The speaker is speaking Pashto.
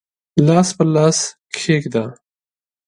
لاس پر لاس کښېږده